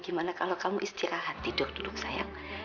gimana kalau kamu istirahat tidur dulu sayang